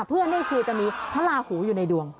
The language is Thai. นี่คือจะมีพระราหูอยู่ในดวง